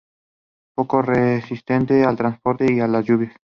Poco resistentes al transporte, y a las lluvias.